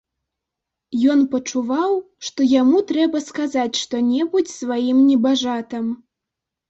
Ён пачуваў, што яму трэба сказаць што-небудзь сваім небажатам.